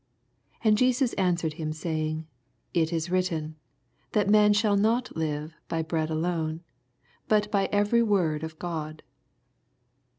4 And Jesns answered him, saying, It is written. That man shall not live by bread alone, but by every word of God.